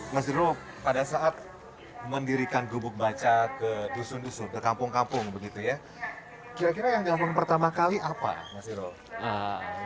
mas irul pada saat mendirikan gubuk baca ke dusun dusun ke kampung kampung begitu ya kira kira yang dilakukan pertama kali apa mas irul